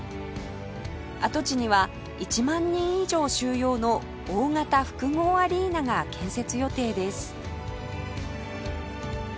跡地には１万人以上収容の大型複合アリーナが建設予定です